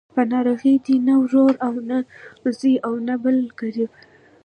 په ناروغۍ دې نه ورور او نه زوی او نه بل قريب.